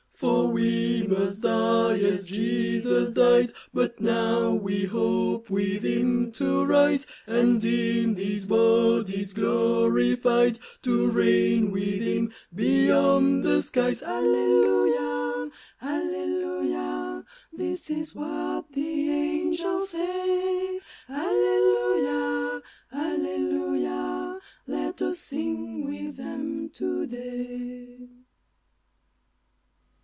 For we must die as Jesus died ; But now we hope with Him to rise, And, in these bodies glorified, To reign with Him beyond the skies, Alleluia, alleluia, this is what the angels say : Alleluia, alleluia, let us sing with them to day.